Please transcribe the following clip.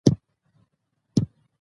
او که د پوشاک په برخه کې،